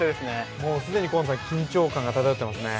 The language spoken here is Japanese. もう既に河野さん、緊張感が漂っていますね。